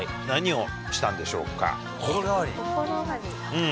うん。